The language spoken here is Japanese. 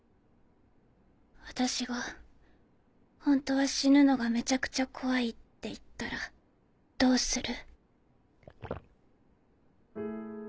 私が本当は死ぬのがめちゃくちゃ怖いって言ったらどうする？